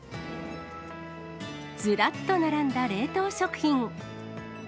ずらっと並んだ冷凍食品。